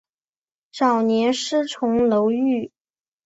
早年师从楼郁。